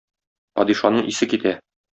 Падишаның исе китә.